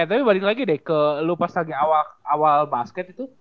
eh tapi balik lagi deh ke lu pas awal basket itu